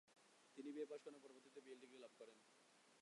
তিনি BA pass করেন এবং পরবর্তীতে বিএল ডিগ্রি লাভ করেন।